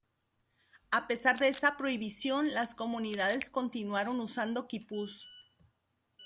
A pesar de esta prohibición las comunidades continuaron usando quipus.